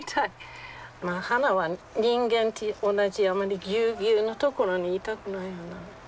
まあ花は人間と同じあまりギュウギュウの所にいたくないよな。